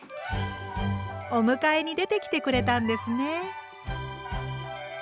お迎えに出てきてくれたんですね。